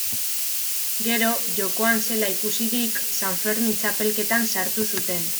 Gero, jokoan zela ikusirik, San Fermin txapelketan sartu zuten.